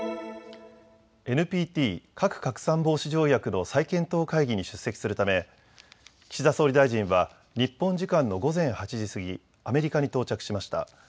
ＮＰＴ・核拡散防止条約の再検討会議に出席するため岸田総理大臣は日本時間の午前８時過ぎ、アメリカに到着しました。